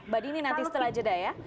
mbak dini nanti setelah jeda ya